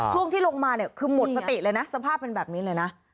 ช่วงที่ลงมาเนี่ยคือหมดสติเลยนะสภาพเป็นแบบนี้เลยนะ